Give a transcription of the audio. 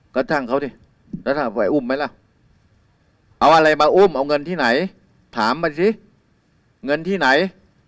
ก็ช่างเขาสิเอาอะไรมาอุ้มเอาเงินที่ไหนถามมาสิเงินที่ไหน